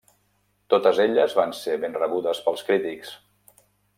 Totes elles van ser ben rebudes pels crítics.